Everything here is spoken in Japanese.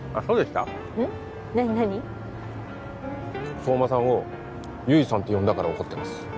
相馬さんを「悠依さん」って呼んだから怒ってます